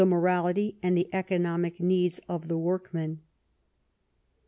norality and the economic needs of the workman."